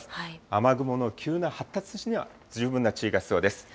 雨雲の急な発達には十分な注意が必要です。